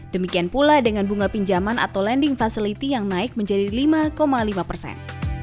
demikian pula dengan bunga pinjaman atau lending facility yang naik menjadi lima lima persen